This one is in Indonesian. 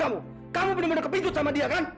pak ustadz kamu kamu benar benar kepincut sama dia kan